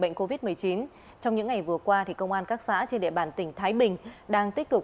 bệnh covid một mươi chín trong những ngày vừa qua công an các xã trên địa bàn tỉnh thái bình đang tích cực